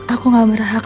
aku nggak berhak